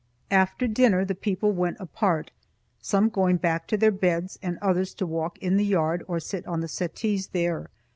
After dinner, the people went apart, some going back to their beds and others to walk in the yard or sit on the settees there.